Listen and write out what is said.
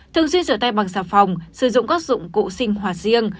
thường xuyên rửa tay bằng xà phòng sử dụng các dụng cụ sinh hoạt riêng